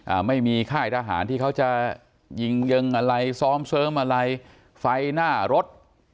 อ่าไม่มีค่ายทหารที่เขาจะยิงเยิงอะไรซ้อมเสริมอะไรไฟหน้ารถ